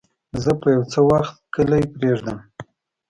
زه به يو څه وخت کلی پرېږدم.